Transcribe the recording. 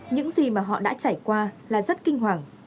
những gì mà họ đã trải qua là rất kinh hoàng